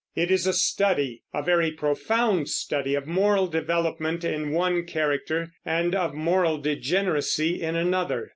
It is a study, a very profound study of moral development in one character and of moral degeneracy in another.